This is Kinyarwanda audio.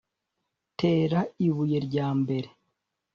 tera ibuye rya mbere